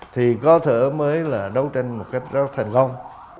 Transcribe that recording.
thì có thể mới là đấu tranh một cách rất thành công